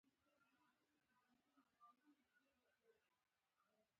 • غونډۍ د باران او واورې د راټولېدو ځای دی.